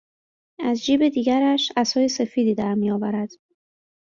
از جیب دیگرش عصای سفیدی درمیآورد